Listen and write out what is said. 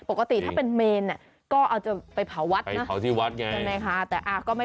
ปกติถ้าเป็นเมนก็เอาจะไปเผาวัดนะ